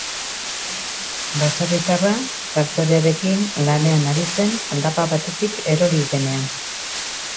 Baserritarra traktorearekin lanean ari zen aldapa batetik erori denean.